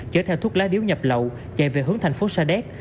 chở theo thuốc lá điếu nhập lậu chạy về hướng thành phố sa đéc